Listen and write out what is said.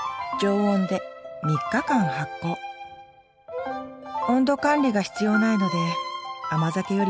温度管理が必要ないので甘酒よりも簡単ですよ